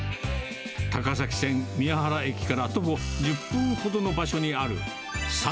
高崎線宮原駅から徒歩１０分ほどの場所にある３